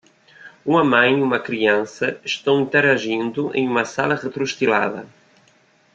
Uma mãe e uma criança estão interagindo em uma sala retrostilada.